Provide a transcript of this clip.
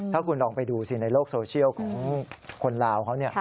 ถ้าคุณลองไปดูสิในโลกโซเชียลของคนลาวเขา